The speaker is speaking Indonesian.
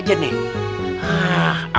bikin malu pak dia